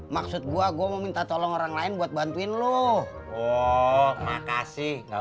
mau ke rawa b sepuluh bang